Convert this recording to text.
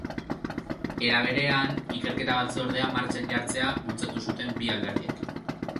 Era berean, ikerketa batzordea martxan jartzea bultzatu zuten bi alderdiek.